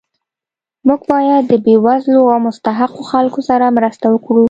موږ باید د بې وزلو او مستحقو خلکو سره مرسته وکړو